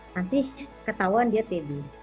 nanti ketahuan dia tb